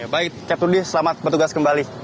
baik cap tudi selamat bertugas kembali